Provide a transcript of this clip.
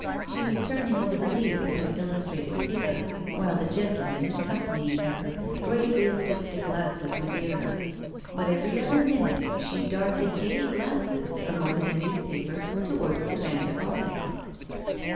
She was turning over the leaves of an illustrated paper, while the gentleman accompanying her gravely sipped a glass of Madeira; but every other minute she darted gay glances from over the newspaper towards the band of artists.